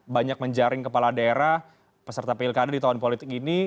banyak menjaring kepala daerah peserta pilkada di tahun politik ini